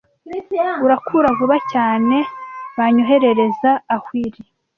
Urakura vuba cyane banyoherereza awhirl,